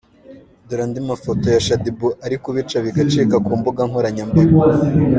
Dore andi mafoto ya Shaddy Boo uri kubica bigacika ku mbuga nkoranyambaga.